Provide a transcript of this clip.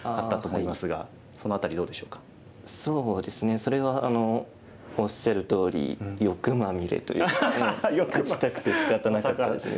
それはおっしゃるとおり欲まみれという勝ちたくてしかたなかったですね